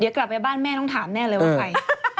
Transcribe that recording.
เดี๋ยวกลับไปบ้านแม่ต้องถามแน่เลยว่าใคร